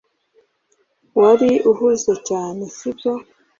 Wari uhuze cyane si byo